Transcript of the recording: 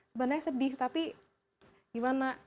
sebenarnya sedih tapi gimana